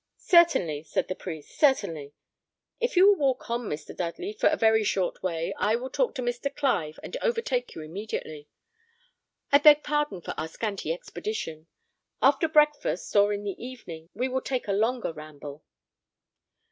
"Certainly," said the priest, "certainly; if you will walk on, Mr. Dudley, for a very short way, I will talk to Mr. Clive, and overtake you immediately. I beg pardon for our scanty expedition; after breakfast, or in the evening, we will take a longer ramble."